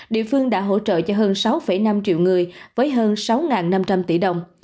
địa phương đã hỗ trợ cho hơn sáu năm triệu người với hơn sáu năm trăm linh tỷ đồng